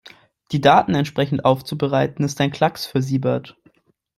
Die Daten entsprechend aufzubereiten, ist ein Klacks für Siebert.